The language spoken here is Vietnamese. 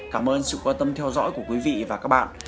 cảm ơn sự quan tâm theo dõi của quý vị và các bạn